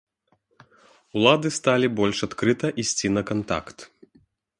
Улады сталі больш адкрыта ісці на кантакт.